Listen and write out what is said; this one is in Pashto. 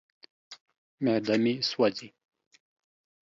معده مې سوځي.